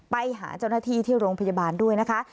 ไปหาเจ้าหน้าที่ที่โรงพยาบาลด้วยนะคะ